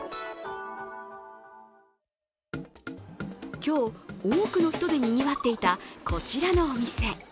今日、多くの人でにぎわっていたこちらのお店。